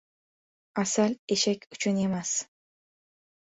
• Asal eshak uchun emas.